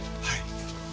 はい。